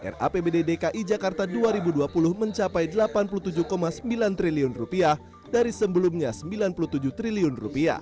rapbd dki jakarta dua ribu dua puluh mencapai rp delapan puluh tujuh sembilan triliun dari sebelumnya rp sembilan puluh tujuh triliun